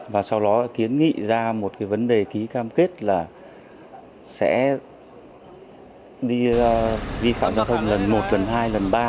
và sau đó kiến nghị ra một cái vấn đề ký cam kết là sẽ vi phạm giao thông lần một lần hai lần ba